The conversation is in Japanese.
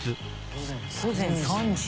午前３時。